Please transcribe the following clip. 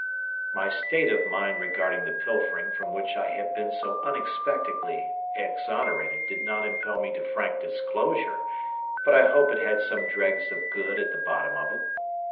My state of mind regarding the pilfering from which I had been so unexpectedly exonerated did not impel me to frank disclosure; but I hope it had some dregs of good at the bottom of it.